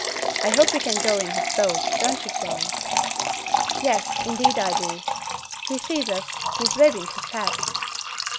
I hope we can go in his boat, don't you, Florence?" "Yes, indeed, I do. He sees us. He is waving his hat."